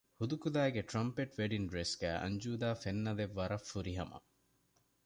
ހުދުކުލައިގެ ޓްރަންޕެޓް ވެޑިންގ ޑްރެސް ގައި އަންޖޫދާ ފެންނަލެއް ވަރަށް ފުރިހަމަ